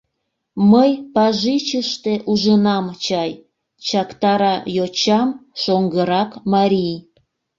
Мый пажичыште ужынам чай, — чактара йочам шоҥгырак марий.